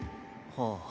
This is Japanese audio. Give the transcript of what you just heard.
はあ。